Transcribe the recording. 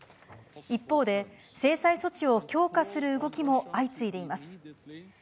一方で、制裁措置を強化する動きも相次いでいます。